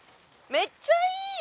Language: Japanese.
めっちゃいい！